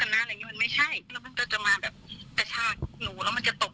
อะไรอย่างเงี้มันไม่ใช่แล้วมันก็จะมาแบบกระชากหนูแล้วมันจะตบ